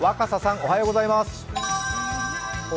おはようございます。